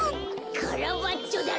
カラバッチョだろ？